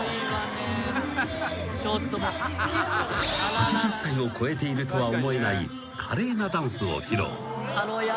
［８０歳を超えているとは思えない華麗なダンスを披露］